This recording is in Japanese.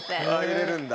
入れるんだ。